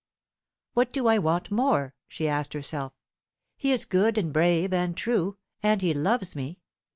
"What do I want more?" she asked herself. "He is good and brave and true, and he loves me.